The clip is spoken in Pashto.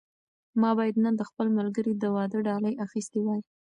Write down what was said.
ما باید نن د خپل ملګري د واده ډالۍ اخیستې وای.